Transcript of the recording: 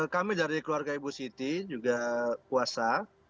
kami dari keluarga ibu siti juga puasa